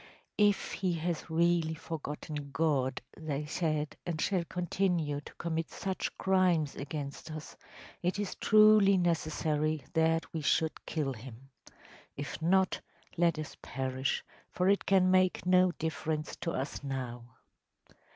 “If he has really forgotten God,‚ÄĚ they said, “and shall continue to commit such crimes against us, it is truly necessary that we should kill him. If not, let us perish, for it can make no difference to us now.